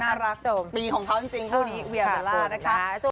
น่ารักปีของเขาจริงคู่นี้เวียเวลานะครับ